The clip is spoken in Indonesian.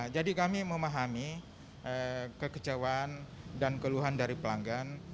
jadi kami memahami kekejauhan dan keluhan dari pelanggan